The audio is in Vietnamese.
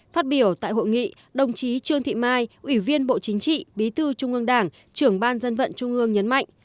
phát biểu tại hội nghị đồng chí trương thị mai ủy viên bộ chính trị bí thư trung ương đảng trưởng ban dân vận trung ương nhấn mạnh